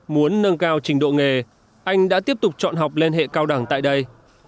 muốn nâng cao trình độ nghề anh đã tiếp tục chọn học lên hệ cao đẳng tại đây